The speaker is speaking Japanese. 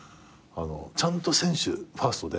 ちゃんと選手ファーストで。